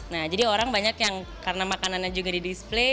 nah jadi orang banyak yang karena makanannya juga di display